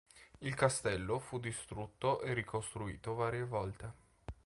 Il castello fu distrutto e ricostruito varie volte.